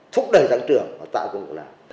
thúc đẩy sản trường và tạo công cục đàm